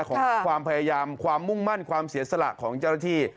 ของความพยายามความมุ่งมั่นความเสียสละของเจ้าหน้าที่